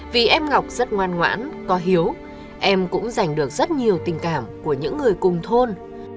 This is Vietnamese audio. vì em ngọc rất ngoan ngoãn có hiếu em cũng giành được rất nhiều tình cảm của những người cùng thôn